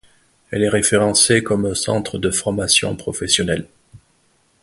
Elle est référencée comme centre de formation professionnel.